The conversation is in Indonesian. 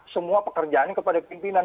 semua pekerjaan ini kepada pimpinan